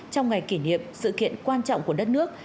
trong ngày kỷ niệm sự kiện quan trọng của đất nước